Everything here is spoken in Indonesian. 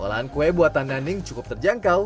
olahan kue buatan naning cukup terjangkau